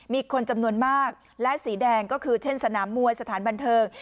มีคนจำนวนมากและสีแดงก็คือเช่นสนามมวยสถานบันเทิง